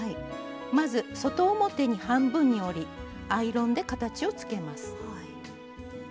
まず外表に半分に折りアイロンで形をつけます。